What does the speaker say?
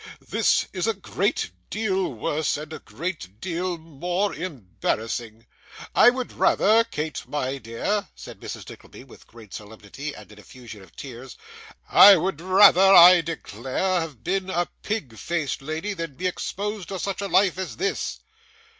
This is a great deal worse, and a great deal more embarrassing. I would rather, Kate, my dear,' said Mrs. Nickleby, with great solemnity, and an effusion of tears: 'I would rather, I declare, have been a pig faced lady, than be exposed to such a life as this!